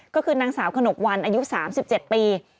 ก็คือนางสาวขนกวันอายุ๓๗ปี